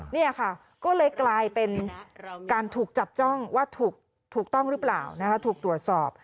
นี่ค่ะก็เลยกลายเป็นการถูกจับจ้องว่าถูกต้องหรือเปล่านะคะถูกตรวจสอบ